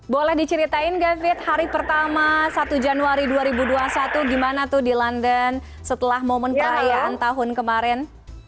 boleh diceritain david hari pertama satu januari dua ribu dua puluh satu gimana tuh di london setelah momen perayaan tahun kemarin